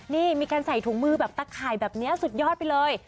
นี่มีการใส่ถุงมือแบบตะข่ายแบบนี้สุดยอดไปเลย